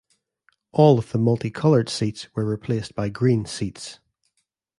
All of the multicolored seats were replaced by green seats.